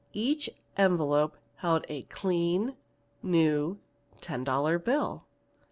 Each envelope held a clean new ten dollar bill.